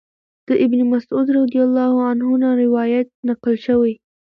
د ابن مسعود رضی الله عنه نه روايت نقل شوی